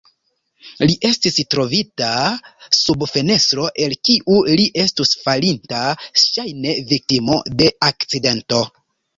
Li estis trovita sub fenestro el kiu li estus falinta, ŝajne viktimo de akcidento.